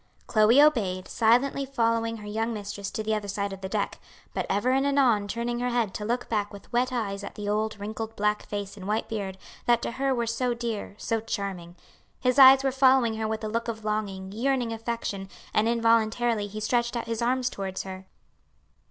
Chloe obeyed, silently following her young mistress to the other side of the deck, but ever and anon turning her head to look back with wet eyes at the old wrinkled black face and white beard that to her were so dear, so charming. His eyes were following her with a look of longing, yearning affection, and involuntarily he stretched out his arms towards her.